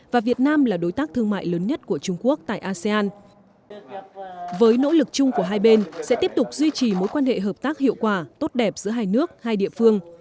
và việt nam là đối tác thương mại lớn nhất của trung quốc tại asean với nỗ lực chung của hai bên sẽ tiếp tục duy trì mối quan hệ hợp tác hiệu quả tốt đẹp giữa hai nước hai địa phương